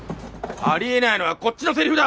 ありえないのはこっちのセリフだ！